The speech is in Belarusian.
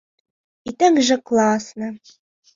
І так жа класна!